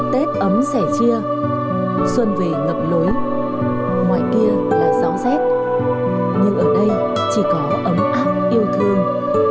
tết ấm sẻ chia xuân về ngập lối ngoài kia là gió rét nhưng ở đây chỉ có ấm áp yêu thương